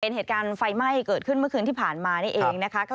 เหตุการณ์ไฟไหม้เกิดขึ้นเมื่อคืนที่ผ่านมานี่เองนะคะ